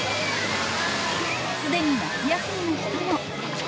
すでに夏休みの人も。